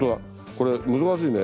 これ難しいね。